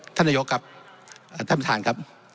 ท่านนายกครับท่านประธานครับ